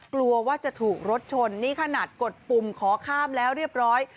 กลัวว่าจะถูกรถชนนี่ขนาดกดปุ่มขอข้ามแล้วเรียบร้อย